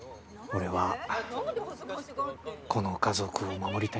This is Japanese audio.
俺はこの家族を守りたいんだ。